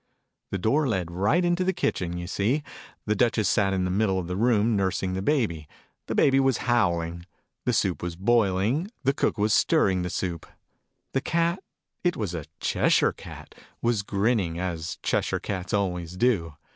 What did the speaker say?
The door led right into the kitchen, you see. The Duchess sat in the middle of the room, nursing the Baby. The Baby was howling. The soup was boiling. The Cook was stirring the soup. The Cat it was a Cheshire Cat was grinning, as Cheshire Cats always do.